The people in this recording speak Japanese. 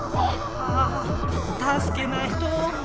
ああたすけないと。